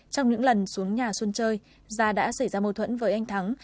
trong những lần xuống nhà xuân chơi gia đã xảy ra mâu thuẫn với anh thắng